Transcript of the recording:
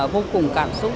vô cùng cảm xúc